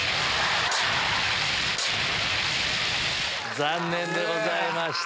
残念でございました。